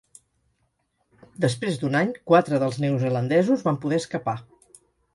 Després d'un any, quatre dels neozelandesos van poder escapar.